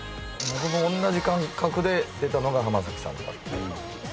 僕もおんなじ感覚で出たのが浜崎さんだっていう感じですね。